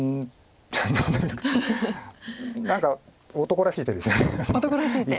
何か男らしい手ですよね。